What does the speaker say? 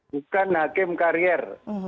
bukan hakim karier